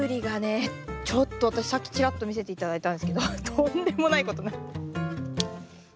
ちょっと私さっきちらっと見せて頂いたんですけどとんでもないことに。